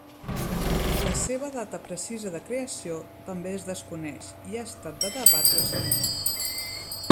La seva data precisa de creació també es desconeix i ha estat de debat recentment.